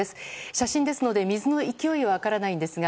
写真ですので水の勢いは分からないんですが